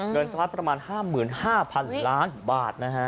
สะพัดประมาณ๕๕๐๐๐ล้านบาทนะฮะ